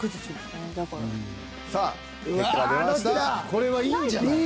これはいいんじゃない？